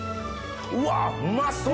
うわうまそう！